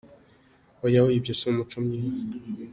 Oya, oya ibyo si imuco myiza."}